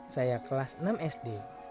saya kelas enam sd